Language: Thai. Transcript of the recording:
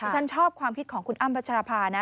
ฉันชอบความคิดของคุณอ้ำพัชรภานะ